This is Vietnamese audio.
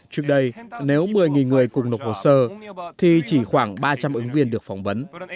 trước đây nếu một mươi người cùng nộp hồ sơ thì chỉ khoảng ba trăm linh ứng viên được phỏng vấn